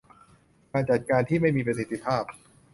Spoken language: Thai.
การจัดการที่ไม่มีประสิทธิภาพ